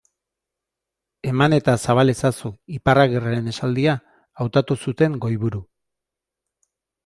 Eman eta zabal ezazu, Iparragirreren esaldia, hautatu zuten goiburu.